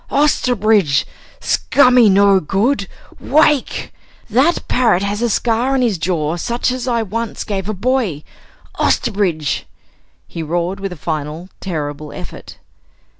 "Osterbridge! Scummy no good! Wake! That parrot has a scar on his jaw such as I once gave a boy! Osterbridge!" he roared with a final terrible effort.